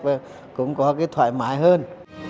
và cũng có cái thoải mái hơn